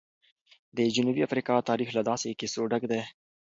د جنوبي افریقا تاریخ له داسې کیسو ډک دی.